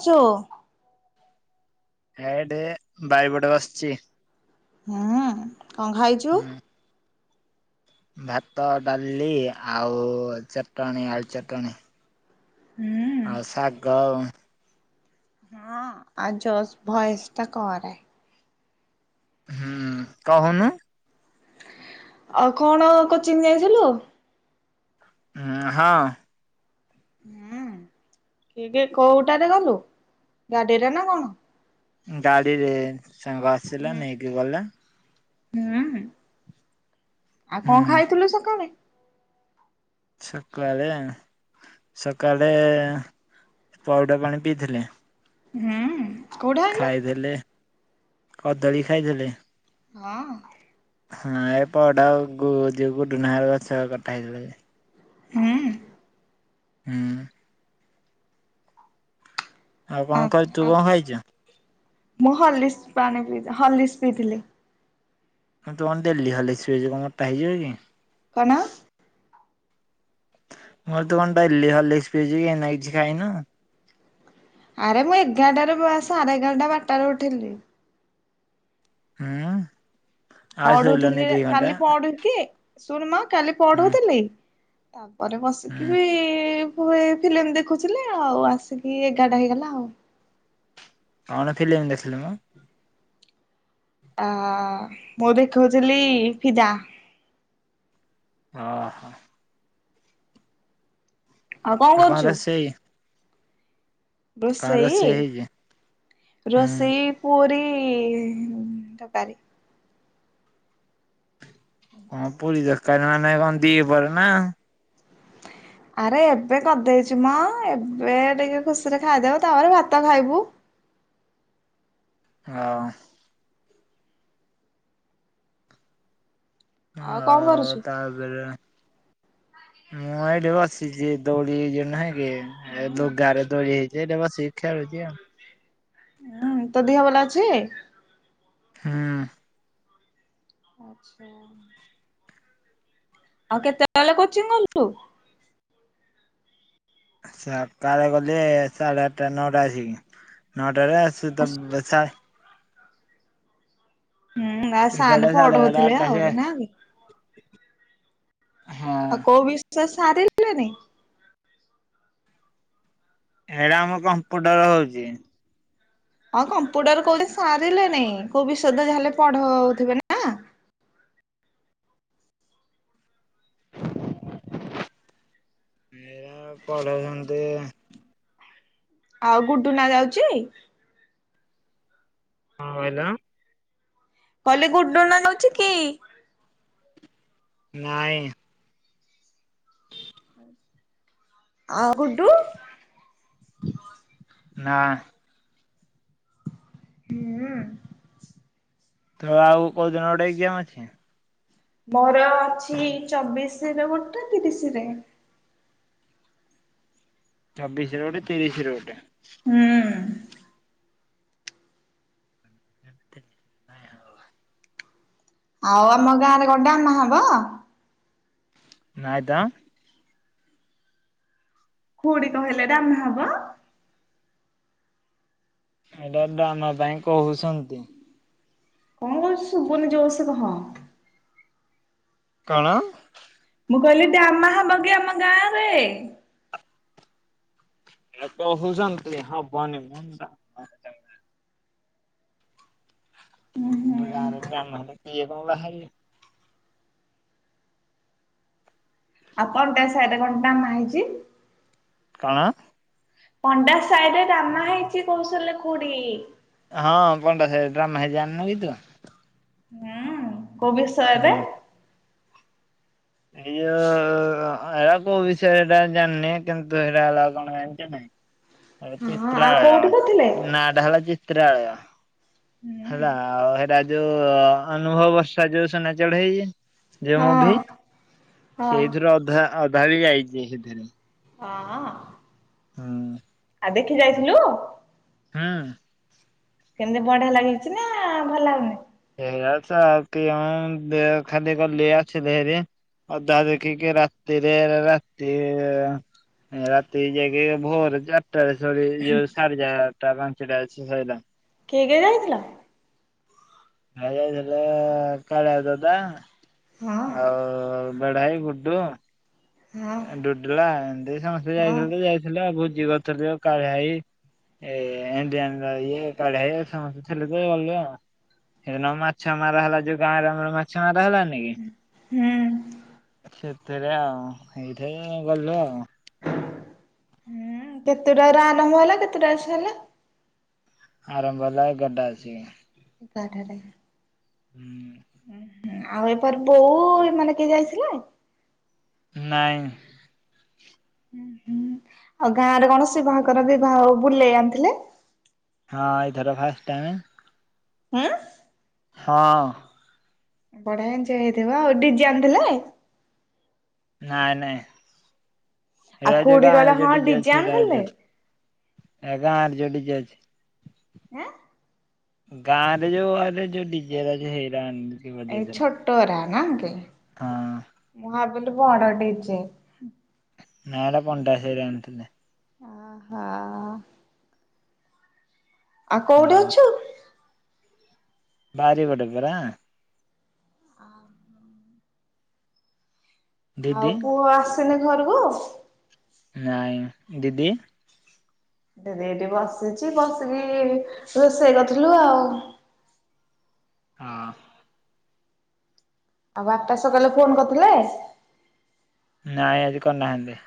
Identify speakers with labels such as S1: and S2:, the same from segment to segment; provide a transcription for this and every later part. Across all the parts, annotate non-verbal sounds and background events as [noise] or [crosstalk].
S1: ଚ [inaudible]
S2: ଏଇଠେ ବାଇପଟେ ବସିଛି।
S1: ହୁଁ କଣ ଖାଇଛୁ?
S2: ହୁଁ ଭାତ ଡାଲି ଆଉ ଚଟଣି ଆଳୁ ଚଟଣି
S1: ହୁଁ।
S2: ଆଉ ଶାଗ
S1: ହଁ ଆ ଯ ଭୟସ ଟା କରେ
S2: ହୁଁ କହୁନୁ?
S1: ଆଉ କଣ କୋଚିଂ ଯାଇଥିଲୁ?
S2: ହଁ ହଁ।
S1: ହୁଁ କି କି କୋଉଟାରେ ଗଲୁ ଗାଡିରେ ନା କଣ
S2: ଗାଡିରେ ସାଙ୍ଗ ଆସିଲା ନେଇକି ଗଲା।
S1: ହଁ। ଆଉ
S2: ହୁଁ।
S1: କଣ ଖାଇଥିଲୁ ସକାଳେ?
S2: ସକାଳେ ସକାଳେ ପାଉଡା ପାଣି ପିଇଥିଲେ
S1: ହୁଁ। କୋଉଠୁ ଆଣିଲୁ?
S2: ଖାଇଦେଲେ। କଦଳୀ ଖାଇଦେଲେ
S1: ହଁ।
S2: ହଁ ଏ ପଡା ଯକୁ ଡୁନାହାର ଗଛ କଟା ହେଇଥିଲା ଯେ
S1: [inaudible]
S2: ହୁଁ। ଆଉ କଣ
S1: ଆଚ୍ଛା
S2: ଖଛୁ ତୁ
S1: ଆଉ
S2: କଣ ଖାଇଛୁ?
S1: ମୁଁ ହଲିସ୍ ପାଣି ପିଇ ହଲିସ୍ ପିଇଥିଲି
S2: ମୁଁ ତ କଣଡଲି ଖାଲି କମର ଟା ହେଇଯିବ କି
S1: କଣ?
S2: ମୋର ତୁ କଣ ଟଲି ନାଇ କିଛି ଖାଇନ
S1: ଆରେ ମୁଁ ଏଗାରଟାରେ ସାଢେ ଏଗାରଟା ବାରଟାରେ ଉଠେଇିଲି
S2: ହୁଁ। ଆଉ ଶୋଇଲୁନି
S1: ପଡୁଥିଲି
S2: ଦି ଘଣ୍ଟା
S1: କାଲି ପଡୁ କି ସୁରମା କାଲି
S2: ହୁଁ
S1: ପଢୁଥିଲି। ତା ପରେ
S2: ହୁଁ
S1: ବସିକିବି ହ ଏ ଫିଲ୍ମ ଦେଖୁଥିଲି ଆଉ ଆସିକି ଏଗାରଟା ହେଇଗଲା ଆଉ
S2: କଣ ଫିଲ୍ମ ଦେଖିଲୁ ମ
S1: ଅ ମୁଁ ଦେଖାଉଥିଲି ଫିଦା
S2: ହଁ ହୋ।
S1: କଣ
S2: ଆଉ
S1: କରୁଛୁ?
S2: କଣରେ ସେଇ
S1: ରୋଷେଇ
S2: ହୁଁ
S1: ରୋଷେଇ ପୁରୀ ଏଁ ତକାରୀ
S2: କଣ ପୁରୀ ଦରକାର ମାନେ କଣ ଦି ପରେ ନା
S1: ଆରେ ଏବେ କରିଦେଇଛିୁ ମ ଏବେ ଟିକେ ଖୁସିରେ ଖାଇଦବୁ ତାପରେ ଭାତ ଖାଇବୁ।
S2: ହଁ।
S1: ଆଉ କଣ
S2: ହଁ
S1: କରୁଛୁ?
S2: ତାପରେ ମୁଁ ଏଇଡେ ବସିଛି ଦୌଡ଼ି ଯ ନା ହେ ଲ ଗା ରେ ଦୋଳି ହେଇଛି ଏଟା ବସିକ ଖେଳୁଛି ଆଉ
S1: ହଁ ତୋ ଦିହ ଭଲ ଅଛି
S2: ହୁଁ
S1: ଆ୍ଛା [inaudible] ଆଉ କେତେବେଳେ କୋଚିଂ ଗଲୁ
S2: ସକାଳେ ଗଲେ ସାଢେ ଆଠଟା ନଅଟା ଆସିକି ନଅ ଡରେ ଆଛୁ ତ ବଛା [unintelligible]
S1: ହୁଁ ଆ ସା
S2: ଏଗାରଟା ସାଢେ
S1: ପଅଟ
S2: ଏଗାରଟା
S1: ହଉଥିଲେ
S2: ଆଠଟା ସେ
S1: ଆହୁରି ନା [unintelligible]
S2: ହଁ
S1: ଆଉ କୋଉ ବିଶ୍ୱାସ୍ ସାଧଲନେ [unintelligible]
S2: ଏଇଟା ଆମ କମ୍ପୁଟର ହଉଛି
S1: ହଁ କମ୍ପୁଟର କୋଉଠି ସାରିଲେନି କୋଉ ବିଷୟ ଯାହାଲେ ପଢଉଥିବେ ନା
S2: ଏଇରା ପଢଳଛନ୍ତି
S1: ଆଉ ଗୁଡୁନା ଯାଉଛି
S2: କଣ କହିଲ
S1: କହିଲି ଗୁଢୁଣା ଯାଉଛି କି
S2: ନାଇଁ
S1: ଆଉ ଗୁଡୁ
S2: ନା
S1: ହଁ [inaudible]
S2: ତ ଆଉ କୋଉ ଦିନ ଗୋଟେ ଏଗ୍ଜାମ୍ ଅଛି?
S1: ମୋର ଅଛି ଚବିଶରେ ଗୋଟେ ତିରିଶି ରେ।
S2: ଚବିଶିରେ ଗୋଟେ ତିରିଶିରେ ଗୋଟେ।
S1: ହୁଁ।
S2: ନଁ ହଁ।
S1: ଆଉ ଆମ ଗାଁ ରେ ଗଡ ଆମା ହବ।
S2: ନୟଦା।
S1: କୁଉଡି କହିଲେ ଦାମ ହବ।
S2: ଏଇଟା ଡ୍ରାମା ପାଇଁ କହୁଛନ୍ତି।
S1: ମୁ ଶୁଭୁନି ଜୋର୍ ସେ କହ।
S2: କଣ।
S1: ମୁଁ କହିଲି ଡାମା ହବ କି ଆମ ଗାଁରେ।
S2: ଏ ତ ହଉଚନ୍ତି ହବନି ମ। ଆ ମୁଁ ତ ଗାଁ ରେ ମ୍ୟାନ ହେଲେ କିଏ କଣ ବାହାରିବେ।
S1: ଆଉ କଣ ଟା। ଚଢାର ଘଣ୍ଟା ନାହିଛି।
S2: କଣ।
S1: ପଣ୍ଡା ସାହିରେ ରାମା ହେଇଛି କହୁସିଲେ ଖୁଡି।
S2: ହଁ ପଣ୍ଡା ସହଇରେ ଡାମା ହେଇଚି ଜାଣିନୁ କି ତୁ।
S1: ହୁଁ। କୋବି ସାରେ।
S2: ଇଏ। ହଁ ଏ କଉ ବିଷୟ ଏଟା ଜାଣିନି। କିନ୍ତୁ ଏରା କଣ ଜଣିଛ ନାଇଁ।
S1: ହଁ ଆଉ କୋଉଠି କରିଥିଲେ?
S2: ଚିତ୍ରାଳୟ ନାଟା ହେଲା ଚିତ ତ୍ରାଳୟ। ହେଲା ଆଉ ହେ ରାଜ ଯୋଉ ଅନୁଭବ ବର୍ଷା ଯୋଉ ସୁନା ଚଢେଇ।
S1: ହଁ
S2: ଯେ ମୁଁ ବି
S1: ହଁ।
S2: ସେଇଥିରୁ ଅଧା। ଅଧା ବି ଯାଇଛି ସେଥିରେ।
S1: ହଁ।
S2: ହୁଁ।
S1: ଆଉ ଦେଖି ଯାଇଥିଲୁ।
S2: ହଁ।
S1: କେମିତି ବଢିଆ ଲାଗେଇଛି ନା ଭଲ ଲାଗୁନି।
S2: ସେଇଟ ତ ଆଉ ଖାଲି ଗଲି ଆସିଲି ହାରି ଅଧା ଦେଖିକି ରାତିରେ ରାତି ରାତି ଯାଇକି ଭୋର ଚାରଟାରେ ସରି ଯୋଉ ସାଢେ ଚାରିଟା ପାଞ୍ଚଟା ଆସିକି ସଇଲା।
S1: କିଏ କିଏ ଯାଇଥିଲା।
S2: ହେଇ ଯାଇଥିଲା କାଳିଆ ଦଦା।
S1: ହଁ
S2: ଆଉ ବଡ ଭାଇ ଗୁଡୁ।
S1: ହଁ
S2: ଡୁଡିଲା ଏମିତି ସମସ୍ତେ
S1: ହଁ।
S2: ଯାଇଥିଲେ ଯାଇଥିଲେ। ଆଉ ଭୁ ଗ କାଳିଆାଇ ଏ ଏଣ୍ଡି ଇଏ କାଳିଆ ଭାଇ ସମସ୍ତେ ଥିଲେଇ ସେଦିନ ମାଛ ମାରା ହେଲା ଯୋଉ ଗାଁରେ ଆମର ମାଛ ମ ହେଲାନି କି।
S1: ହୁଁ।
S2: ସେରୋ [inaudible] ଏଇଠା ଗଲଲେ ଆଉ
S1: ହୁଁ କେତେଟ ର ଆରମ୍ଭ ହେଲା କେତେଟା ଆସ ହେଲା
S2: ଆରମ୍ଭଲା ଗଡ୍ଡା ଅଛି,
S1: ଏ କଠରେ
S2: ହୁଁ
S1: ଆଉ ଏପାର ବୋଉ ମାନେ କିଏ ଯାଇଥିଲେ
S2: ନାଇଁ
S1: ହୁଁ ହୁଁ ଆଉ ଗାଁରେ କୌଣସି ବାହାଙ୍କର ବିିବାହ ବୁଲେଇ ଆଣିଥିଲେ
S2: ହଁ ଏଇ ଧର ଫାଷ୍ଟ ଟାଇମେ
S1: ହଁ
S2: ହଁ
S1: ବଢିଆ ଏଜୟ ହେଇଥିବ ଆଉ ଦ ଜାଣିଥିଲା
S2: ନାଇଁ ନହିଁ ହେ
S1: ଆଉ
S2: ଯା
S1: କୋଉଠି
S2: ଆ
S1: କହିଲ
S2: ଯଟାଁ
S1: ହଁ ଡିଜେ ଆଣିଥିଲେ
S2: ଜେଡ଼ିଜାଜ
S1: ଆଁ
S2: ଗାଁ ରେ ଯୋଉ ଆରେ ଯୋଉ ଡିଜେ ରାଜ ହେଇରାଣି
S1: ଏଇ ଛୋଟରା ନାକ [inaudible]
S2: ହଁ
S1: ଭାବିଲି ବଡ଼ଟେ ହେଇଛି।
S2: ନାଇଁ ଏଟା ପଣ୍ଡା ସାହିରୁ ଆଣିଥିଲେ।
S1: ଓ ହୋ ଆଉ କୋଉଠି ଅଛୁ?
S2: ଭାରି ପଟେ ପରା?
S1: ଆଁ ଆଉ
S2: ଦିଦି
S1: ପୁଅ ଆସିନି? ଘରକୁ
S2: ନାଇଁ ଦିଦି
S1: ଦିଦି ଏଇଠି ବସିଛି ବସିକି ରୋଷେଇ କରଥିଲୁ ଆଉ
S2: ହଁ।
S1: ଆଉ ବାପା ସକାଳେ ଫୋନ କରିଥିଲେ?
S2: ନାଇଁ ଆଜି କଣ ନାହାନ୍ତି।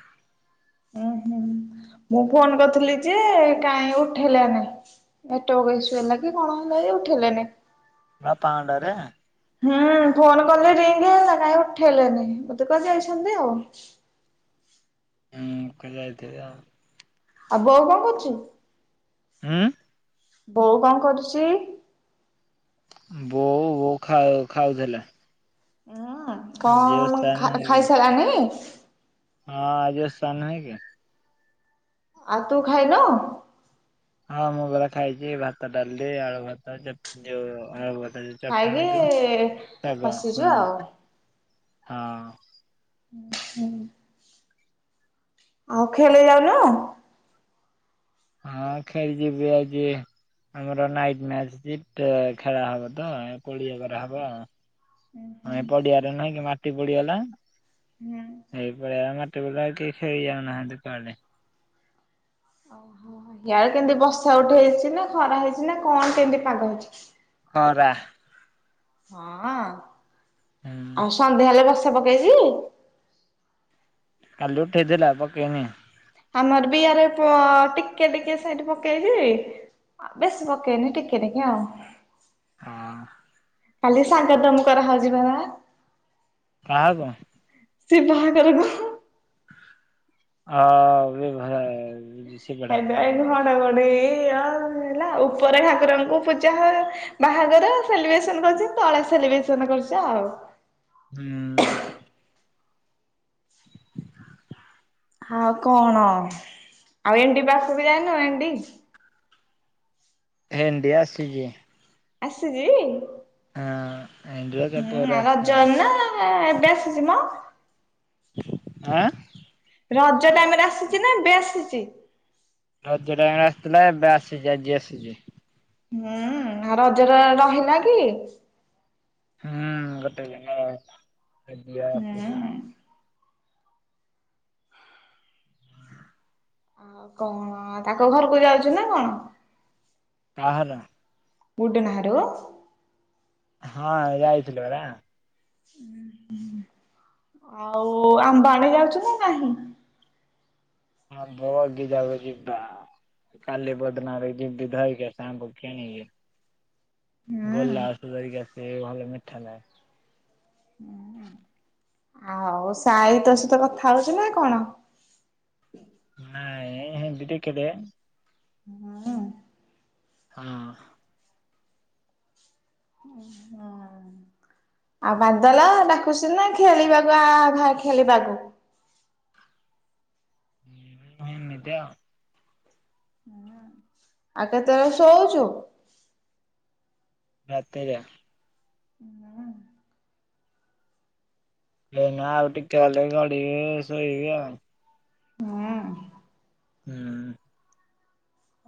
S1: ଉଁ ହୁଁ ମୁଁ ଫୋନ କରିଥିଲି ଯେ କାହିଁ ଉଠେଇଲାନି ନେଟୱାର୍କ ଇସୁ ହେଲା କି କଣ ହେଲା କି ଉଠେଇଲାନି।
S2: ହେ ପାଣ୍ଡାରେ
S1: ହୁଁ ଫୋନ କଲି ରିଙ୍ଗି ହେଲା ନାଇଁ ଉଠେଇଲେନି ବୋଧେ କୁଆଡ଼େ ଯାଇଛନ୍ତି ଆଉ
S2: ହଁ କୁଆଡ଼େ ଯାଇଥିବେ ଆଉ।
S1: ଆଉ ବୋଉ କଣ କରୁଛି।
S2: ହଁ
S1: ବୋଉ କଣ କରୁଛି?
S2: ବୋଉ ବୋ ଖା ଖାାଉଥିଲେ।
S1: ହଁ କଣ ଖା
S2: ହେଇକି
S1: ଖାଇ ସାରିଲାଣି?
S2: ହଁ ଅଜବେଷ୍ଟ ନାହିଁ?
S1: ଆଉ ତୁ ଖାଇନୁ?
S2: ହଁ ମୁଁ ପରା ଖାଇଛି ଭାତ ଡାଲି ଆଳୁ ଭାର୍ତା ଯେ ଯୋଉ ଆଳୁ ଯୋଉ ଚଟଣିକୁ
S1: ଖାଇକି
S2: ଶାଗ ହଁ
S1: ବସିଛୁ ଆଉ
S2: ହଁ
S1: ହଁ ହୁଁ। ଆଉ ଖେଳି ଯାଉନୁ?
S2: ହଁ ଖେଳିଯିବି ଆଜି ଆମର ନାଇଟ ମ୍ୟାଚ ଜି ଖେଳା ହବ ତ ପଡିଆ କରାହବ ଆ ପଡିଆରେ ନୁହି କି ମାଟି ପଡିଗଲା ଏଇ ପଡିଆ ମାଟି ପଡିିଲା କେହି ଖେଳି ଯାଉନାହାନ୍ତି କୁଆ।
S1: ହିଆଡେ କେମିତି ବର୍ଷା ଉଠେଇଛି ନା ଖରା ହେଇଛି ନା କଣ କେମିତି ପାଗ ହେଇଛି?
S2: ଖରା।
S1: ହଁ।
S2: ହୁଁ
S1: ଆଉ ସନ୍ଧ୍ୟା ହେଲେ ବସ ବର୍ଷା ପକେଇଛି?
S2: କାଲି ଉଠେଇଥିଲା ପକେଇନି।
S1: ଆମର ବି ଇଆଡେ ପଅ ଟିକେ ଟିକେ ସାଇଟ ପକେଇଛି ବେଶୀ ପକେଇନି ଟିକେ ଟିକେ ଆଉ
S2: ହଁ।
S1: କାଲି ସାଙ୍ଗତମ କରାହଉଛି ପରା?
S2: କାହାକୁ?
S1: ସେ ବାହାଘରକୁ
S2: ହଁ ଏ ଭଳିଆ
S1: [unintelligible] ଏନୁ ଘଡ଼ଘଡ଼ି ହେଲା ଉପରେ ଠାକୁରଙ୍କୁ ପୂଜା ହୋ ବାହାଘର ସେଲିବ୍ରେସନ କରୁଛି ତଳା ସେଲିବ୍ରେସନ କରୁଛି ଆଉ।
S2: ହୁଁ
S1: ଆଉ କଣ ଆଉ ଏଣ୍ଡି ପାଖ ବି ଯାାଇନ ଏଣ୍ଡି
S2: ଣ୍ଡିଆ ସଜିି
S1: ଆସଛି
S2: ହଁ ଆଇଟକେ ପରା ଆସ
S1: ଏ ବେଶ ଅଛିମା
S2: ଆ [inaudible]
S1: ରଜ ଟାଇମରେ ଆସିଛି ନା ଏବେ ଆସିଛି
S2: ହଜାର ଟଙ୍କ ଆସିଥିଲା ଏବେ ଆସିଛି ଆଜି ଆସିଛି,
S1: ହୁଁ ଆ ରଜରେ ରହିଲା କି
S2: ହୁଁ ଗୋଟେ ଜିନ ଆଲିି
S1: ହୁଁ
S2: ହିଲ
S1: ଆଉ କଣ ତାଙ୍କ ଘରକୁ ଯାଉଛୁ ନା କଣ
S2: କାହ ନା
S1: ବୁଡ଼ ନାରୁ
S2: ହଁ ଯାଇଥିଲୁ ବରା
S1: ଆଉ ଆମ୍ବା ଆଣିେ ଯାଉଛୁ ନା ନାହିଁ
S2: ହଁ ଭି ଯାଉ ଯିବା କାଲି ବଦନା ରେ ଯି ଧରକି ସାଙ୍ଗ କିଣିକି
S1: ହୁଁ
S2: ଗଲଲା ତାରିଖ ଆ ଭଲ ମି ଥାନଲେ [inaudible]
S1: ଆଉ ସାଇ ତୋ ସହିତ କଥା ହଉଚ ନା କଣ
S2: ହଁଁ ଦିଟ କେଟେ
S1: ହଁ
S2: ହଁ
S1: ଆଉ ବାଦଲ ଡାକୁଛି ନା ଖେଳିବାକୁ ଆ ଘ ଖେଳିବାକୁ
S2: ହଁ ହେନିତି
S1: ଆଗ ତର ଶଉଛୁ,
S2: ରାତିରେ [inaudible]
S1: ହଁ
S2: ଏଇନା ଆଉ ଟିକେ ହେଲେ ଗଡିବେ ଶୋଇବି ଆଉ ହୁଁ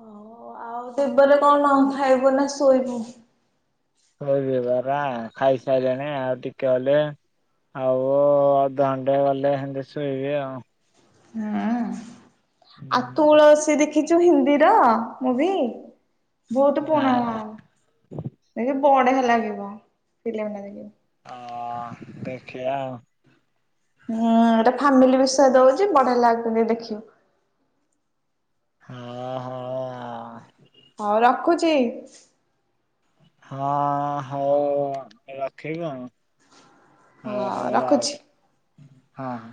S1: ହ ଆଉ ସେବେ କଣ ଖାଇବୁ ନା ଶୋଇବୁ
S2: ଶୋଇବି ପରା ଖାଇସାରିଲେଣି ଆଉ ଟିକେ ଗଲେ ଆଉ ଦଣ୍ଡେ ଗଲେ ସେମତି ଶୋଇବି ଆଉ
S1: ହଁ ଆଉ ତୁଳ ସେ ଦେ ଦେଖିଛୁ ହିନ୍ଦୀର ମୁଭି ବହୁତ ପୁଣ
S2: ନାଇଁ
S1: ଲ
S2: ନାଇଁ
S1: ଦେ [inaudible] ବଢ ଲାଗିବ ଫମ
S2: ହ ଦେଖିଆ
S1: ହୁଁ ଏଟା ଫାମିଲି ବିଷୟ ଦଉଛି ବଢିଆ ଲାଗୁଛନ୍ତି ଦେଖିବ।
S2: ହଁ ହଁ
S1: ହଁ ରଖୁଛି
S2: ହଁ ହଉ ରଖିବୁ ଆ
S1: ହଁ ରଖୁଛି
S2: ହଁ ହଁ।